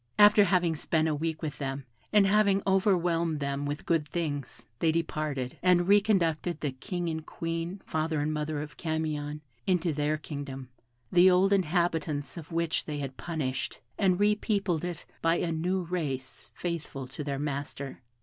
After having spent a week with them, and having overwhelmed them with good things, they departed, and reconducted the King and Queen, father and mother of Camion, into their kingdom, the old inhabitants of which they had punished, and repeopled it by a new race faithful to their master.